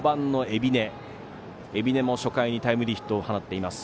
海老根も初回にタイムリーヒット放っています。